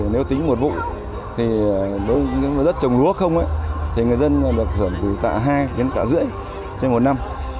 nếu tính một vụ đất trồng lúa không người dân được hưởng từ tạ hai đến tạ rưỡi trên một năm